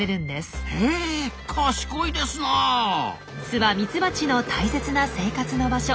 巣はミツバチの大切な生活の場所。